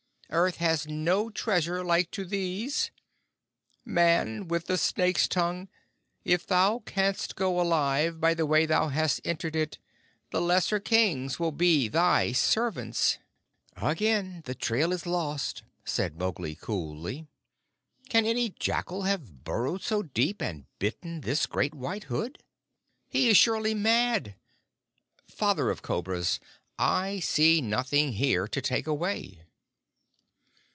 Earth has no treasure like to these. Man with the snake's tongue, if thou canst go alive by the way that thou hast entered at, the lesser Kings will be thy servants!" "Again the trail is lost," said Mowgli, coolly. "Can any jackal have burrowed so deep and bitten this great White Hood? He is surely mad. Father of Cobras, I see nothing here to take away."